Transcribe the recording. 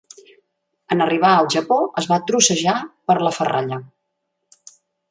En arribar al Japó, es va trossejar per a la ferralla.